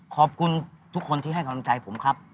ขอบคุณทุกคนที่ให้กำลังใจผมครับ